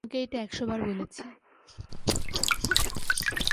আমি তোমাকে এটা একশবার বলেছি।